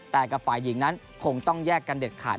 แต่กับฝ่ายหญิงนั้นคงต้องแยกกันเด็ดขาด